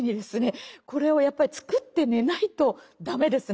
これをやっぱり作って寝ないと駄目ですね